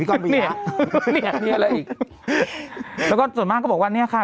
เมดอะไรอีกแล้วแล้วส่วนมากก็บอกว่าเนี้ยค่ะ